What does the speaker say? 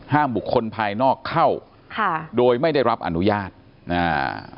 ห้ามบุคนภายนอกเข้าโดยไม่ได้รับอนุญาตอ่า